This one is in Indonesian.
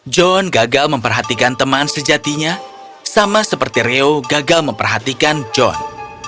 john gagal memperhatikan teman sejatinya sama seperti reo gagal memperhatikan john